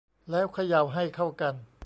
แล้วเขย่าให้เข้ากัน